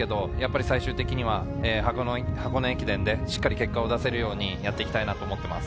最終的には箱根駅伝でしっかり結果を出せるように頑張っていきたいと思います。